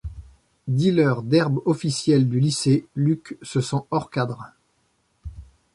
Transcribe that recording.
Dealer d'herbe officiel du lycée, Luke se sent hors-cadre.